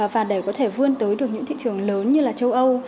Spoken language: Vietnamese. và để có thể vươn tới được những thị trường lớn như là châu âu